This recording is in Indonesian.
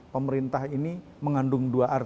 pemerintah ini mengandung dua arti